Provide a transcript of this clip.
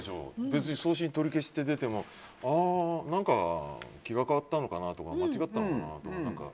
別に送信取り消しって出ても気が変わったのかなとか間違ったのかなとか。